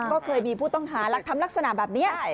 ก็เคยมีผู้ต้องหารักทำลักษณะแบบนี้